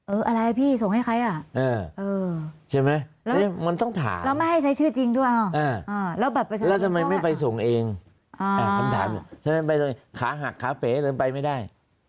เอออะไรพี่ส่งให้ใครอ่ะใช่ไหมมันต้องถามแล้วไม่ให้ใช้ชื่อจริงด้วยแล้วทำไมไม่ไปส่งเองขาหักขาเป๋เลยไปไม่ได้